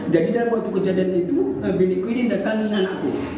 jadi dalam waktu kejadian itu binikku ini datangin anakku